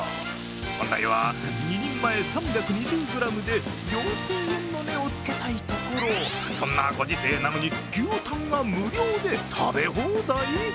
本来は２人前３２０ｇで４０００円の値をつけたいところそんなご時世なのに、牛タンは無料で食べ放題？